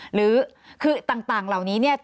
หรือคือต่างเหล่านี้